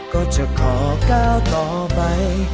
ก็จะขอก้าวต่อไป